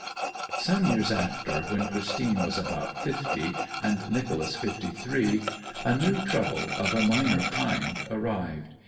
Some years after, when Christine was about fifty, and Nicholas fifty three, a new trouble of a minor kind arrived.